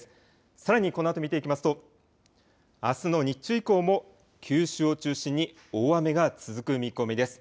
さらにこのあと見ていきますとあすの日中以降も九州を中心に大雨が続く見込みです。